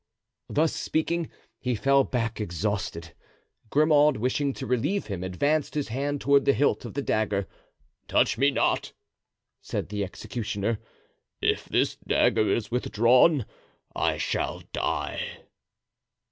Thus speaking, he fell back exhausted. Grimaud, wishing to relieve him, advanced his hand toward the hilt of the dagger. "Touch me not!" said the executioner; "if this dagger is withdrawn I shall die."